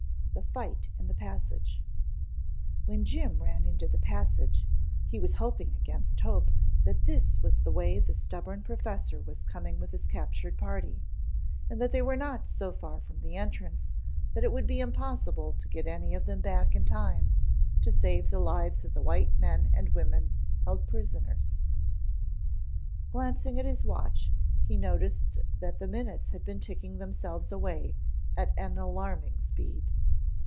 THE FIGHT IN THE PASSAGE When Jim ran into the passage, he was hoping against hope that this was the way the stubborn professor was coming with his captured party, and that they were not so far from the entrance that it would be impossible to get any of them back in time to save the lives of the white men and women held prisoners. Glancing at his watch he noticed that the minutes had been ticking themselves away at an alarming speed.